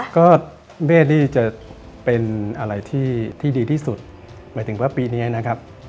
ก็เบ้นี่จะเป็นอะไรที่ดีที่สุดหมายถึงว่าปีนี้นะครับ